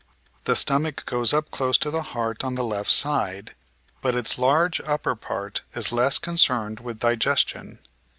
The stomach goes up close to the heart on the left side, but its large upper part is less concerned with digestion.